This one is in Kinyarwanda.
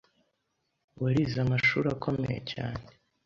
warize amashuri akomeye cyane